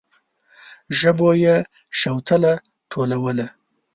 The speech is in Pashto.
ژبو يې شوتله ټولوله.